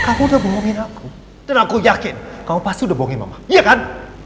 aku udah bohongin aku dan aku yakin kamu pasti udah bohongin mama iya kan